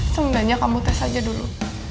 sebenarnya kamu tes aja dulu